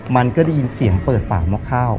มันก็ได้ยินเสียงเปิดฝาหม้อข้าว